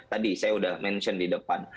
tadi saya sudah mention di depan